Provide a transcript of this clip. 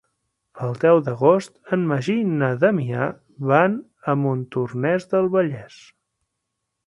El deu d'agost en Magí i na Damià van a Montornès del Vallès.